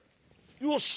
よし。